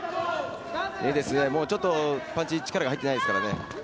ニエテスがパンチに力が入ってないですからね。